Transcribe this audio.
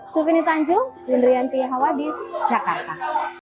sufini tanjung indrianti hawadis jakarta